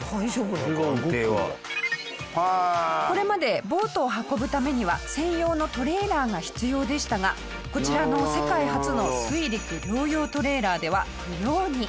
これまでボートを運ぶためには専用のトレーラーが必要でしたがこちらの世界初の水陸両用トレーラーでは不要に！